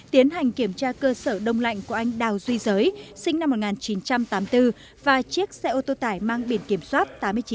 tiến hành kiểm tra cơ sở đông lạnh của anh đào duy giới sinh năm một nghìn chín trăm tám mươi bốn và chiếc xe ô tô tải mang biển kiểm soát tám mươi chín